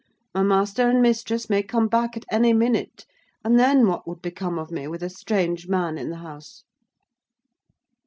My master and mistress may come back at any minute, and then what would become of me with a strange man in the house?"